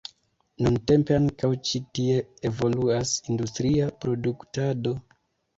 Nuntempe ankaŭ ĉi tie evoluas industria produktado.